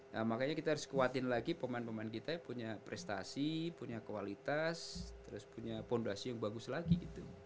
nah makanya kita harus kuatin lagi pemain pemain kita yang punya prestasi punya kualitas terus punya fondasi yang bagus lagi gitu